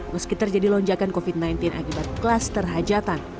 meski terjadi lonjakan covid sembilan belas akibat klaster hajatan